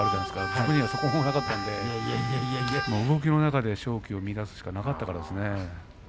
自分にはそれがなかったんで動きの中で勝機を生み出すしかなかったんですね。